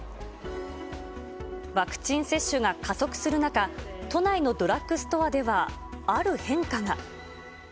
ワクチン接種が加速する中、都内のドラッグストアでは、ある変化が。